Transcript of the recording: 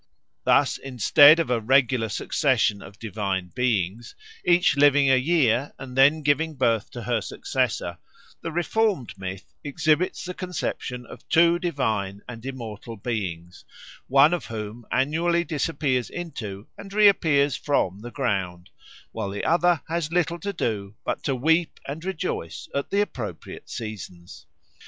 Thus instead of a regular succession of divine beings, each living a year and then giving birth to her successor, the reformed myth exhibits the conception of two divine and immortal beings, one of whom annually disappears into and reappears from the ground, while the other has little to do but to weep and rejoice at the appropriate seasons.